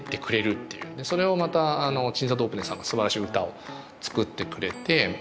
それをまた鎮座ＤＯＰＥＮＥＳＳさんがすばらしい歌を作ってくれて。